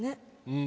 うん。